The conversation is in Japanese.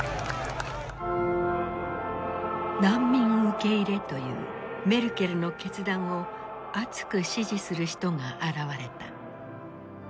難民受け入れというメルケルの決断を熱く支持する人が現れた。